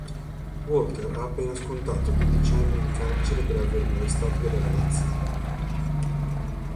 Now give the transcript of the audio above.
Walter ha appena scontato dodici anni in carcere per aver molestato delle ragazzine.